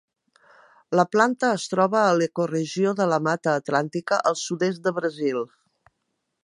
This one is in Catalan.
La planta es troba a l'ecoregió de la Mata Atlàntica, al sud-est de Brasil.